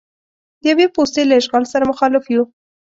د یوې پوستې له اشغال سره مخالف یو.